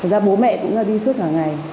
thật ra bố mẹ cũng đi suốt cả ngày